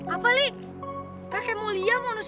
apa li kakek mau lia atau ibu